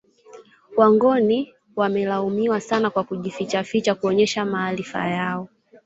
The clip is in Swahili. Wangoni wamelaumiwa sana kwa kujifichaficha kuonesha maarifa yao